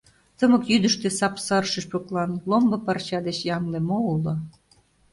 Тымык йӱдыштӧ сап-сар шӱшпыклан Ломбо парча деч ямле мо уло?